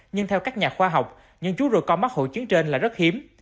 nhưng theo các nhà khoa học những chú rùa con mắc hội chứng trên là rất hiếm